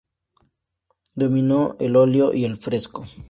Dominó el óleo y el fresco.